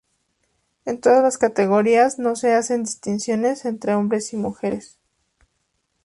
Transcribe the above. En todas las categorías no se hacen distinciones entre hombres y mujeres.